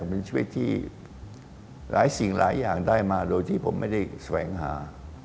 เป็นชีวิตที่หลายสิ่งหลายอย่างได้มาโดยที่ผมไม่ได้แสวงหา